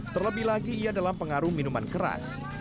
terlebih lagi ia dalam pengaruh minuman keras